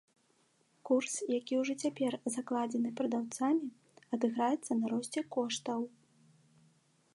Курс, які ўжо цяпер закладзены прадаўцамі, адыграецца на росце коштаў.